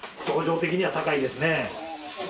症状的には高いですね。